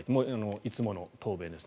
いつもの答弁ですね。